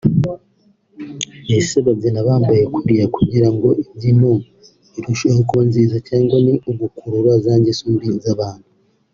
ese babyina bambaye kuriya kugira ngo imbyino irusheho kuba nziza cyangwa ni ugukurura za ngeso mbi z’abantu